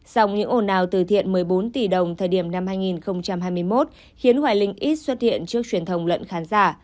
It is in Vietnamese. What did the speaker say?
dòng những ồn ào từ thiện một mươi bốn tỷ đồng thời điểm năm hai nghìn hai mươi một khiến hoài linh ít xuất hiện trước truyền thông lẫn khán giả